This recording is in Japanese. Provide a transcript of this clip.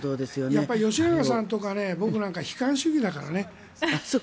やっぱり吉永さんとか僕は悲観主義だから。